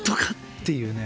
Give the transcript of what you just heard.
っていうね。